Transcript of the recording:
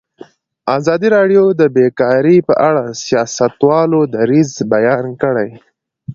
ازادي راډیو د بیکاري په اړه د سیاستوالو دریځ بیان کړی.